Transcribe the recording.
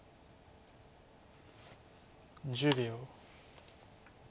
１０秒。